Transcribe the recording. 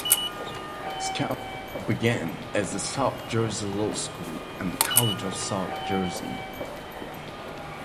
Rutgers-Camden began as the South Jersey Law School and the College of South Jersey.